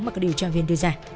mà các điều tra viên đưa ra